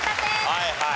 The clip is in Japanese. はいはい。